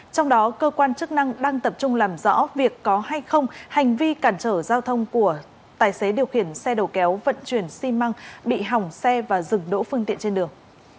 trong đó cơ quan chức năng đang tập trung làm rõ việc có hay không hành vi cản trở giao thông của tài xế điều khiển xe đầu kéo vận chuyển xi măng bị hỏng xe và dừng đỗ phương tiện trên đường